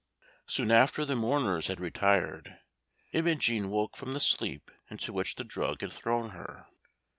Soon after the mourners had retired, Imogen woke from the sleep into which the drug had thrown her.